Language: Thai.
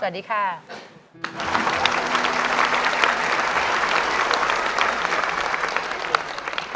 สวัสดีค่ะ